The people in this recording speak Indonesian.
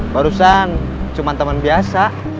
barusan cuma temen biasa